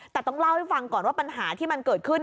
แต่ต้องเล่าให้ฟังก่อนว่าปัญหาที่มันเกิดขึ้น